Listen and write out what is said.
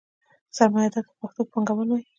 سرمایدار ته پښتو کې پانګوال وايي.